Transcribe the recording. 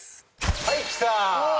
はいきた！